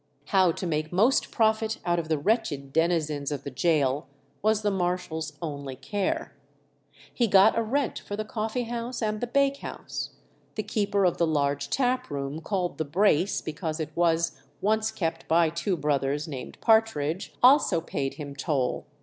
How to make most profit out of the wretched denizens of the gaol was the marshal's only care. He got a rent for the coffee house and the bake house; the keeper of the large tap room called the Brace, because it was once kept by two brothers named Partridge, also paid him toll.